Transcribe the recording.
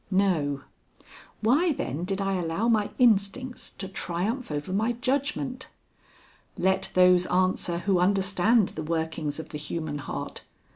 No. Why, then, did I allow my instincts to triumph over my judgment? Let those answer who understand the workings of the human heart.